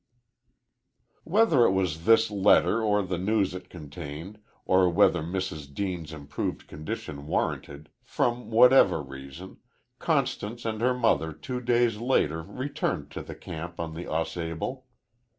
Whether it was this letter, or the news it contained, or whether Mrs. Deane's improved condition warranted from whatever reason, Constance and her mother two days later returned to the camp on the Au Sable.